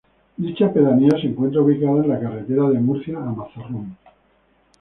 Dicha pedanía se encuentra ubicada en la carretera de Murcia a Mazarrón.